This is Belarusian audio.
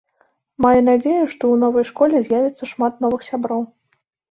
Мае надзею, што ў новай школе з'явіцца шмат новых сяброў.